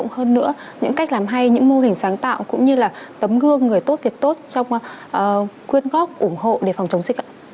hơn nữa những cách làm hay những mô hình sáng tạo cũng như là tấm gương người tốt việc tốt trong quyên góp ủng hộ để phòng chống dịch ạ